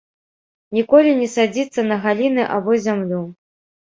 Ніколі не садзіцца на галіны або зямлю.